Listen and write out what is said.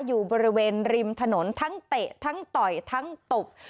อยู่บริเวณริมถนนทั้งเตะทั้งต่อยทั้งตบ